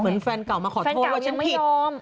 เหมือนแฟนเก่ามาขอโทษว่าฉันผิดแฟนเก่ายังไม่ยอม